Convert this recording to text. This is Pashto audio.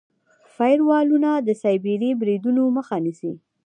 فایروالونه د سایبري بریدونو مخه نیسي.